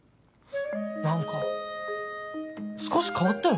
何か少し変わったよ